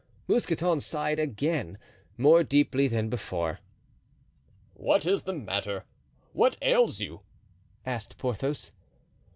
Mousqueton sighed again, more deeply than before. "What is the matter? what ails you?" asked Porthos.